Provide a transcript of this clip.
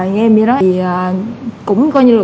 nghe em như đó